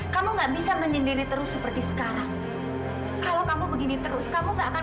kamu nggak bisa menyendiri jangan menyebarkan